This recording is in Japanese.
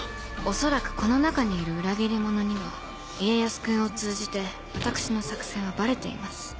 恐らくこの中にいる裏切り者には家康君を通じて私の作戦はバレています